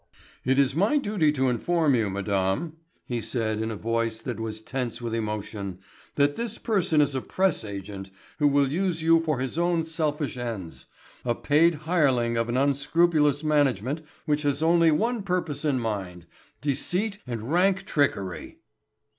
"It is my duty to inform you, madame," he said in a voice that was tense with emotion, "that this person is a press agent who will use you for his own selfish ends—a paid hireling of an unscrupulous management which has only one purpose in mind—deceit and rank trickery."